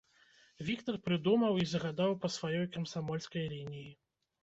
Віктар прыдумаў і загадаў па сваёй камсамольскай лініі.